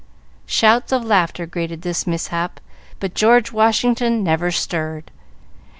Shouts of laughter greeted this mishap, but George Washington never stirred.